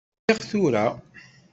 Ḥliɣ tura.